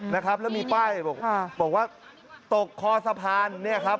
แล้วมีป้ายบอกว่าตกคอสะพาน